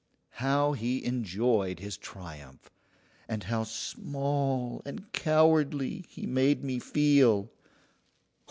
How he enjoyed his triumph, and how small and cowardly he made me feel!